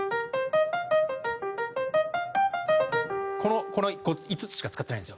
この５つしか使ってないんですよ。